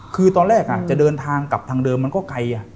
กลับทางเดิมมันก็ไกล